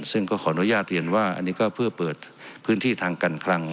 ซึ่งก็ขออนุญาตเรียนว่าอันนี้ก็เพื่อเปิดพื้นที่ทางการคลัง